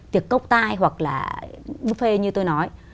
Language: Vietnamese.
tiệc cốc tai hoặc là buffet như tôi nói